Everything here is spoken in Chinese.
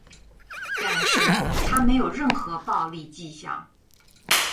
但是，她没有任何暴力迹象。